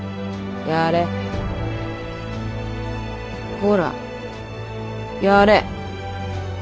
ほらやれ。